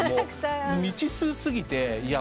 未知数過ぎて。